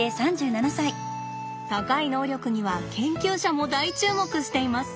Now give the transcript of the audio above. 高い能力には研究者も大注目しています。